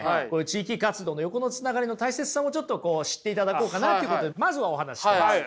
地域活動の横のつながりの大切さをちょっと知っていただこうかなということでまずはお話ししてます。